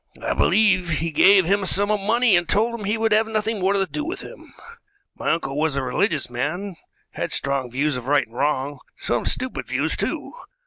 I believe he gave him a sum of money and told him he would have nothing more to do with him. My uncle was a religious man, had strong views of right and wrong some stupid views, too.